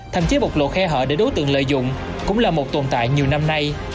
thậm chí bộc lộ khe hở để đối tượng lợi dụng cũng là một tồn tại nhiều năm nay